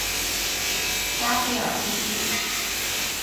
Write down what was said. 拉斐尔故居。